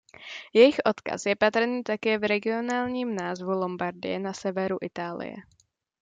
Jejich odkaz je patrný také v regionálním názvu Lombardie na severu Itálie.